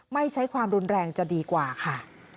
ไม่ใช้ความรุนแรงจะดีกว่าค่ะ